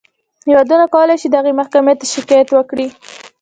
هېوادونه کولی شي دغې محکمې ته شکایت وکړي.